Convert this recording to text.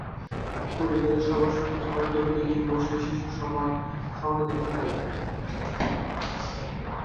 পরিবারের সবার সঙ্গে খাবার টেবিলে নিয়ে বসলে শিশু সবার খাওয়া দেখে খাবে।